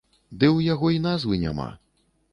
Ды ў яго й назвы няма.